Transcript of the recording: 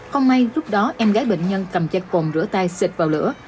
không may lúc đó em gái bệnh nhân cầm chai cồn rửa tay xịt vào lửa